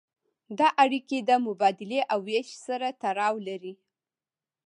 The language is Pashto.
دا اړیکې د مبادلې او ویش سره تړاو لري.